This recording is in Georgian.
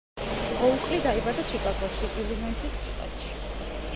ოუკლი დაიბადა ჩიკაგოში, ილინოისის შტატში.